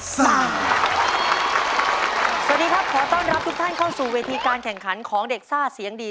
สวัสดีครับขอต้อนรับทุกท่านเข้าสู่เวทีการแข่งขันของเด็กซ่าเสียงดี